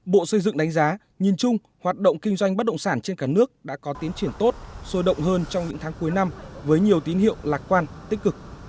bộ xây dựng đánh giá nhìn chung hoạt động kinh doanh bất động sản trên cả nước đã có tiến triển tốt sôi động hơn trong những tháng cuối năm với nhiều tín hiệu lạc quan tích cực